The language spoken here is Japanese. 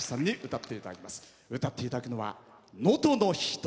歌っていただくのは「能登の女」。